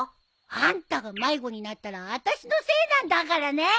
あんたが迷子になったらあたしのせいなんだからね。